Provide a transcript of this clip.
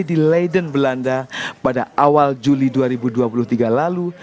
di leiden belanda pada awal juli dua ribu dua puluh tiga lalu